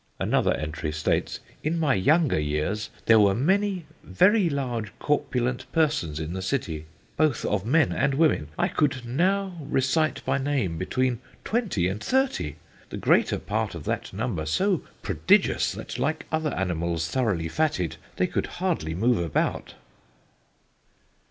Another entry states: "In my younger years there were many very large corpulent Persons in the City, both of Men and Women. I could now recite by name between twenty and thirty, the great part of that number so Prodigious that like other animals Thoroughly fatted, they could hardly move about."